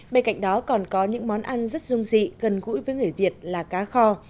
bên cạnh đó còn có những món ăn rất rung dị gần gũi với người việt là cá kho